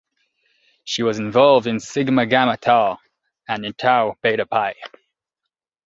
She was involved in Sigma Gamma Tau and Tau Beta Pi.